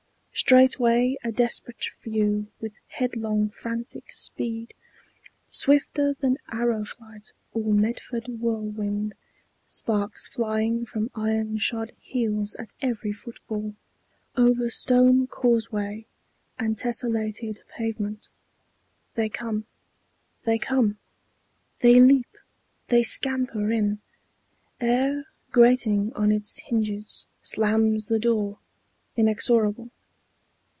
Straightway, A desperate few, with headlong, frantic speed, Swifter than arrow flight or Medford whirlwind, Sparks flying from iron shod heels at every footfall, Over stone causeway and tessellated pavement, They come they come they leap they scamper in, Ere, grating on its hinges, slams the door Inexorable.